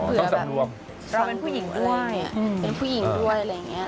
คือเราเป็นผู้หญิงก็ได้เป็นผู้หญิงด้วยอะไรอย่างเงี้ย